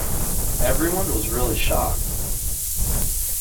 Everyone was really shocked.